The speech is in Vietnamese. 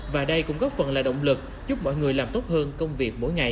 và đây cũng góp phần là động lực giúp mọi người làm tốt hơn công việc mỗi ngày